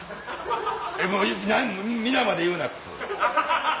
もういい皆まで言うな樟。